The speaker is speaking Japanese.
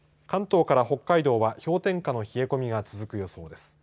関東から北海道は氷点下の冷え込みが続く予想です。